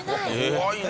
怖いね。